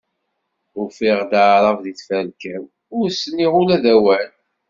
Ufiɣ-d Aɛrab di tferka-w, ur s-nniɣ ula d awal.